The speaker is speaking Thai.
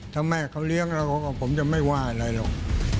ถ้าแม่เขาเลี้ยงเราผมจะไม่ว่าอะไรหรอก